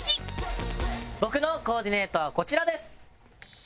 僕のコーディネートはこちらです！